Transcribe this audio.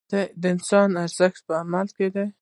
د انسان ارزښت په عمل کې دی.